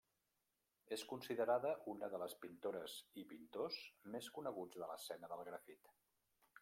És considerada una de les pintores i pintors més coneguts de l'escena del grafit.